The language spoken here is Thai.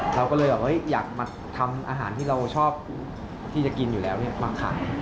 เราก็เลยอยากมาทำอาหารที่เราชอบที่จะกินอยู่แล้วมาขาย